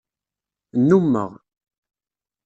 Nnummeɣ.